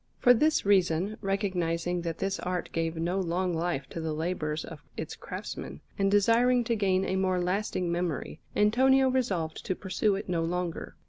For this reason, recognizing that this art gave no long life to the labours of its craftsmen, and desiring to gain a more lasting memory, Antonio resolved to pursue it no longer.